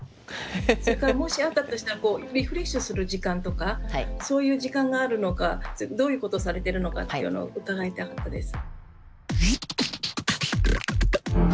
それからもしあったとしたらリフレッシュする時間とかそういう時間があるのかどういうことをされてるのかっていうのを伺いたかったです。